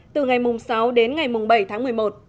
từ ngày sáu đến ngày bảy tháng một mươi một